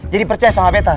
jadi percaya sama beta